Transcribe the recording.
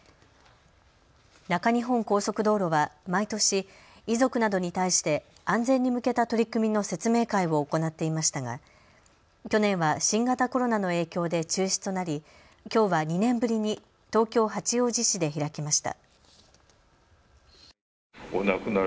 中日本高速道路は毎年、遺族などに対して安全に向けた取り組みの説明会を行っていましたが去年は新型コロナの影響で中止となりきょうは２年ぶりに東京八王子市で開きました。